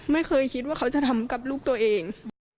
ไม่เคยคิดว่าเขาจะทำกับลูกตัวเอง